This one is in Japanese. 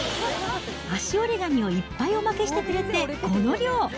足折れガニをいっぱいおまけしてくれて、この量。